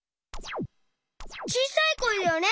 ちいさいこえだよね！